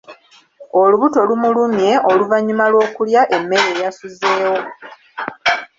Olubuto lumulumye oluvannyuma lwokulya emmere eyasuzeewo